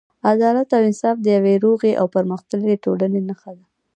عدالت او انصاف د یوې روغې او پرمختللې ټولنې نښه ده.